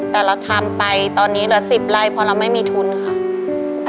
แต่เราทำไปตอนนี้เหลือ๑๐ไร่เพราะเราไม่มีทุนค่ะ